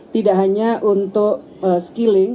tidak hanya untuk skilling